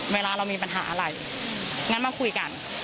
เวลาเรามีปัญหาอะไรงั้นมาคุยกัน